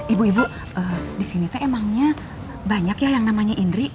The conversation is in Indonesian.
ibu ibu disini emangnya banyak yang namanya indri